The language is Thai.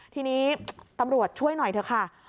ทีนี้ตำรวจช่วยหน่อยเถอะค่ะ